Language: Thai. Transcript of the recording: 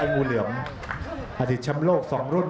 อัศวินาศาสตร์